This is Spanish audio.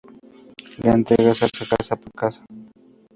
La entrega se hace casa por casa.